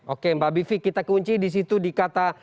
oke mbak bivi kita kunci disitu di kata